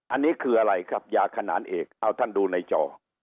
อันนี้คืออะไรครับยาขนานเอกเอาท่านดูในจอ